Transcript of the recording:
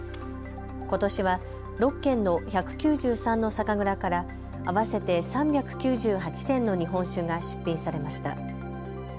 ことしは６県の１９３の酒蔵から合わせて３９８点の日本酒が出品されました。